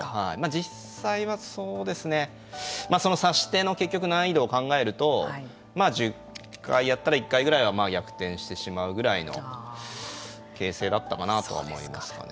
実際は、その指し手の結局、難易度を考えると１０回やったら１回ぐらいは逆転してしまうぐらいの形勢だったかなと思いましたね。